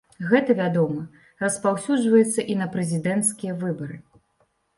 Гэта, вядома, распаўсюджваецца і на прэзідэнцкія выбары.